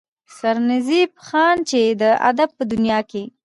سرنزېب خان چې د ادب پۀ دنيا کښې